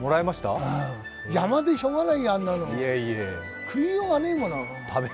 邪魔でしようがないよ、あんなの、食いようがねえもの。